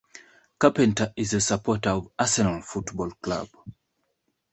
Carpenter is a supporter of Arsenal Football Club.